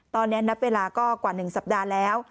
ตอนนี้นับเวลาก็กว่า๑สัปดาห์แล้ว